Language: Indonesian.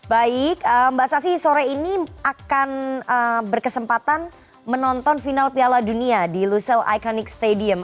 baik mbak sasi sore ini akan berkesempatan menonton final piala dunia di lusal iconic stadium